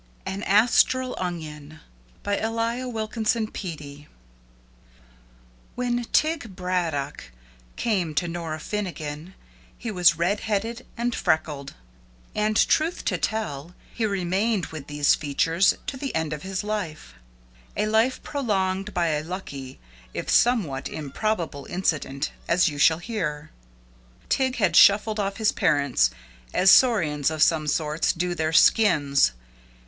AN ASTRAL ONION WHEN Tig Braddock came to Nora Finnegan he was red headed and freckled, and, truth to tell, he remained with these features to the end of his life a life prolonged by a lucky, if somewhat improbable, incident, as you shall hear. Tig had shuffled off his parents as saurians, of some sorts, do their skins.